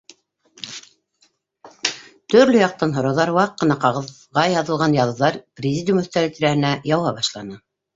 Төрлө яҡтан һорауҙар, ваҡ ҡына ҡағыҙға яҙылған яҙыуҙар президиум өҫтәле тирәһенә яуа башланы.